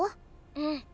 うん。